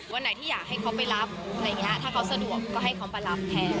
วันไหนที่อยากให้เขาไปรับถ้าเขาสะดวกก็ให้เขาไปรับแทน